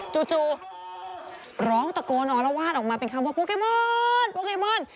จู่ร้องตะโกนอ๋อแล้ววาดออกมาเป็นคำว่าโปเกมโมนโปเกมโมน